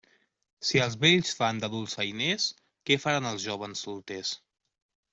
Si els vells fan de dolçainers, què faran els jóvens solters?